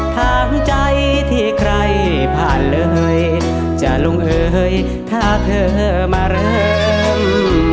ทางใจที่ใครผ่านเลยจะลงเอยถ้าเธอมาเริ่ม